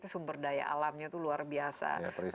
sumber daya alamnya itu luar biasa